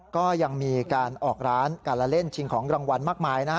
ก็ยังมีการออกร้านการละเล่นชิงของรางวัลมากมายนะฮะ